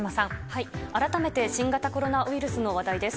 改めて新型コロナウイルスの話題です。